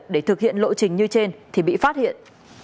để thực hiện lộ trình như trên thì bị phát hiện